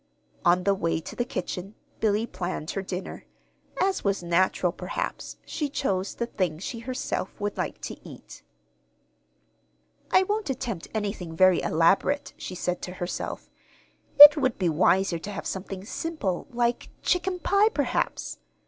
On the way to the kitchen, Billy planned her dinner. As was natural, perhaps, she chose the things she herself would like to eat. "I won't attempt anything very elaborate," she said to herself. "It would be wiser to have something simple, like chicken pie, perhaps.